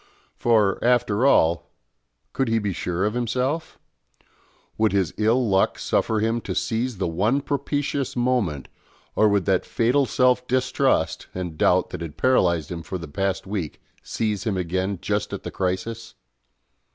For, after all, could he be sure of himself? Would his ill luck suffer him to seize the one propitious moment, or would that fatal self distrust and doubt that had paralysed him for the past week seize him again just at the crisis?